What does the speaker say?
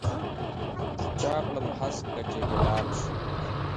چا کړم هسکه چې هلال شوم